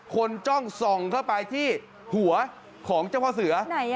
จ้องส่องเข้าไปที่หัวของเจ้าพ่อเสือ